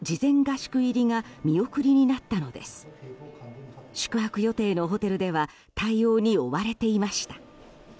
宿泊予定のホテルでは対応に追われていました。